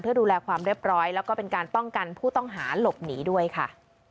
เพื่อดูแลความเรียบร้อยแล้วก็เป็นการป้องกันผู้ต้องหาหลบหนีด้วยค่ะ